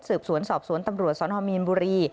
สืบสวนสอบสวนตำรวจสนมีนบุรี